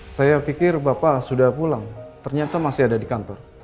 saya pikir bapak sudah pulang ternyata masih ada di kantor